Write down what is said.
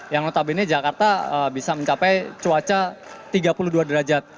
yang notabene jakarta bisa mencapai cuaca tiga puluh dua derajat